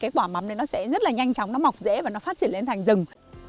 quả mắm thì nó sẽ rất là nhanh chóng nó mọc dễ và nó phát triển lên thành rừng